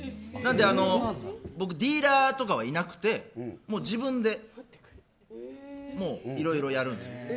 なのでディーラーとかはいなくて自分でいろいろやるんですよ。